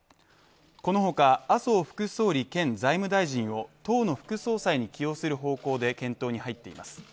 この他、麻生副総理兼財務大臣を党の副総裁に起用する方向で検討に入っています。